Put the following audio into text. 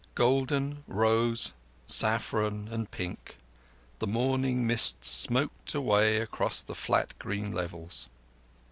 Golden, rose, saffron, and pink, the morning mists smoked away across the flat green levels.